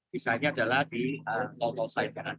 misalnya adalah di tol tol saya